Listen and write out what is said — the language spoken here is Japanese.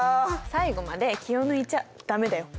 最後まで気を抜いちゃダメだよ。